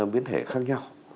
biến thể khác nhau